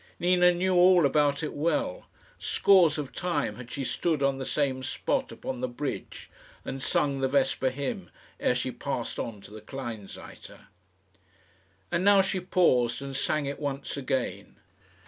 Nina knew all about it well. Scores of times had she stood on the same spot upon the bridge, and sung the vesper hymn, ere she passed on to the Kleinseite. And now she paused and sang it once again.